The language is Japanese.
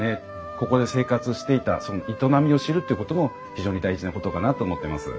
ここで生活していたその営みを知るっていうことも非常に大事なことかなと思ってます。